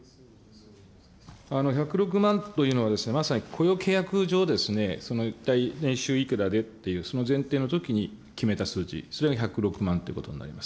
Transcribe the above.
１０６万というのは、まさに雇用契約上、一体年収いくらでと、その前提のときに決めた数字、それが１０６万ということになります。